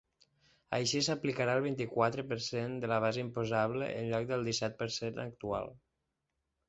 Així, s’aplicarà el vint-i-quatre per cent de la base imposable en lloc del disset per cent actual.